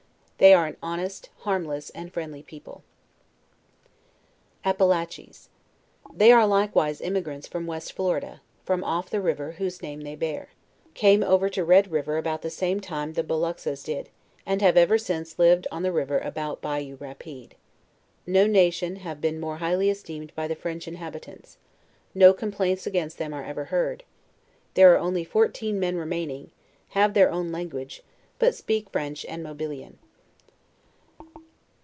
They are an honest, harmless, and friendly people. APPAL ACHES. They are likewise emigrants from West Florida, from off the river whose name they bear; came over to Red river about the same time the Boluxas did, and have ever since lived on the river about Bayou Rapide. No nation have been more highly esteemed by the French inhabitants; no complaints against them are ever heard; there are only fourteen men remaining; have their own language, but speak French and Mobil ian.